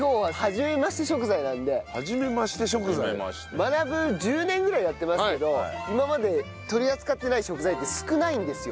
『マナブ』１０年ぐらいやってますけど今まで取り扱ってない食材って少ないんですよ。